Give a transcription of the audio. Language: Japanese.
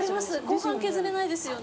後半削れないですよね。